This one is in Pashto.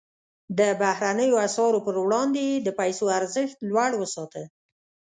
د بهرنیو اسعارو پر وړاندې یې د پیسو ارزښت لوړ وساته.